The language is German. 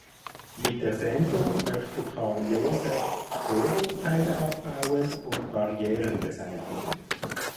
Mit der Sendung möchte Carl Josef Vorurteile abbauen und Barrieren beseitigen.